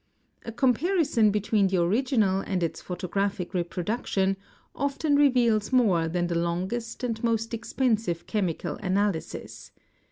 A com parison between the original and its photographic reproduction often reveals more than the longest and most expensive chemical analysis.